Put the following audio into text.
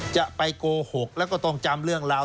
จะไปโกหกแล้วก็ต้องจำเรื่องราว